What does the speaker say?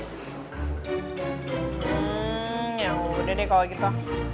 hmm yang udah deh kalau gitu